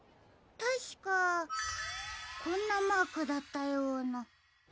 たしかこんなマークだったような。